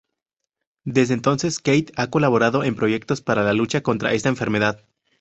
Desde entonces, Kate ha colaborado en proyectos para la lucha contra esta enfermedad.